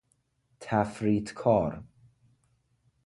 تفریط کار